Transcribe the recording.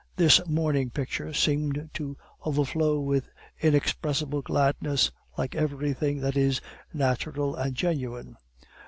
This morning picture seemed to overflow with inexpressible gladness, like everything that is natural and genuine.